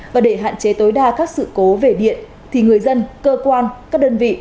và để hạn chế tối đa các sự cố về điện thì người dân cơ quan các đơn vị